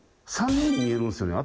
３人に見えるんですよね